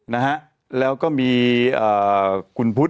นะฮะแล้วก็มีอ่าคุณพุทธ